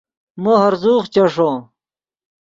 مو ہرزوغ چیݰو